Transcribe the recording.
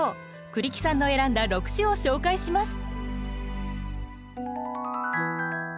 栗木さんの選んだ６首を紹介します。